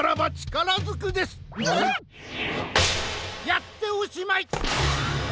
やっておしまい！